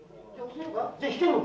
じゃあ来てるのか？